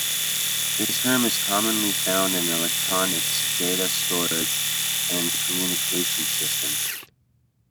This term is commonly found in electronics, data storage, and communications systems.